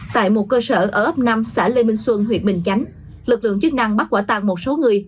tại một cơ sở ở ấp năm xã lê minh xuân huyện bình chánh lực lượng chức năng bắt quả tàng một số người